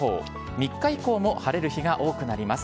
３日以降も晴れる日が多くなります。